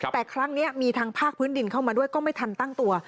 แต่ครั้งนี้มีทางภาคพื้นดินเข้ามาด้วยก็ไม่ทันตั้งตัว